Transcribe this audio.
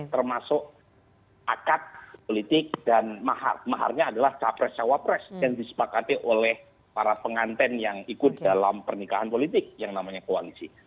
termasuk akad politik dan maharnya adalah capres cawapres yang disepakati oleh para penganten yang ikut dalam pernikahan politik yang namanya koalisi